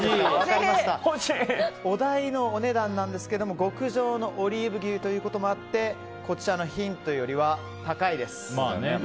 お題のお値段ですが、極上のオリーブ牛ということもあってこちらのヒントよりは高いです。